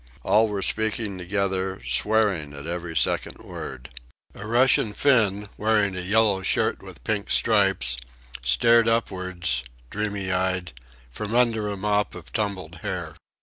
All were speaking together, swearing at every second word. A Russian Finn, wearing a yellow shirt with pink stripes, stared upwards, dreamy eyed, from under a mop of tumbled hair.